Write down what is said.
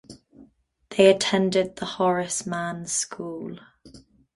They attended the Horace Mann School.